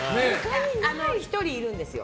１人いるんですよ。